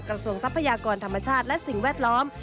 ทรัพยากรธรรมชาติและสิ่งแวดล้อม